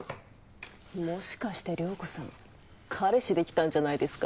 もしかして涼子さん彼氏出来たんじゃないですか？